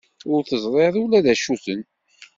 Ur teẓriḍ ula d acu-ten.